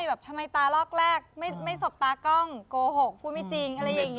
แบบทำไมตาลอกแรกไม่สบตากล้องโกหกพูดไม่จริงอะไรอย่างนี้